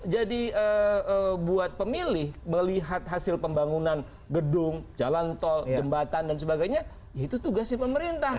jadi buat pemilih melihat hasil pembangunan gedung jalan tol jembatan dan sebagainya ya itu tugasnya pemerintah